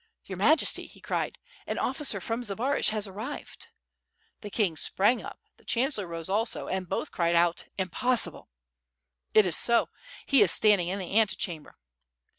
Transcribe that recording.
"Your Majesty," he cried, "an officer from Zbaraj has ar rived." The king sprang up, the chancellor rose also, and both cried out, "impossible!" "It is so, he is standing in the antechamber."